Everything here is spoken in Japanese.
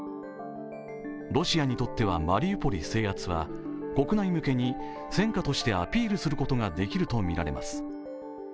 ロシアにとってはマリウポリ制圧は国内向けに戦果としてアピールすることができるとみられます。